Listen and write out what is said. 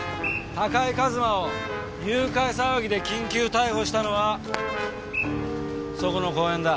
高井和馬を誘拐騒ぎで緊急逮捕したのはそこの公園だ。